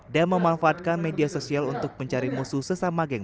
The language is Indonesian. dan memanfaatkan perusahaan untuk menjaga kemampuan